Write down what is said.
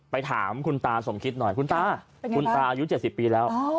ถามคุณตาสมคิดหน่อยคุณตาคุณตาอายุ๗๐ปีแล้ว